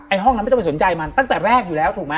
ห้องนั้นไม่ต้องไปสนใจมันตั้งแต่แรกอยู่แล้วถูกไหม